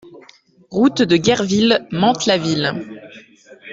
Route de Guerville, Mantes-la-Ville